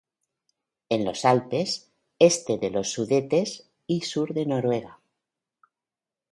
En los Alpes, este de los Sudetes y sur de Noruega.